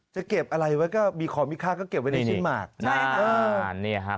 จะเก็บอะไรไว้ก็มีของมีค่าก็เก็บไว้ในชิ้นหมาก